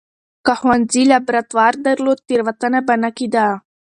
که ښوونځي لابراتوار درلود، تېروتنه به نه کېده.